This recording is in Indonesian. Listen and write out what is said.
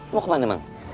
lu ke mana emang